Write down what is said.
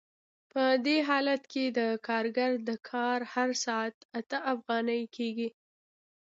په دې حالت کې د کارګر د کار هر ساعت اته افغانۍ کېږي